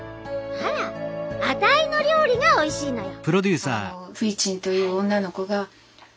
あらあたいの料理がおいしいのよ。